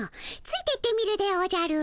ついてってみるでおじゃる。